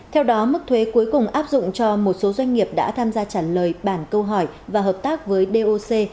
theo đó mức thuế cuối cùng áp dụng cho một số doanh nghiệp đã tham gia trả lời bản câu hỏi và hợp tác với doc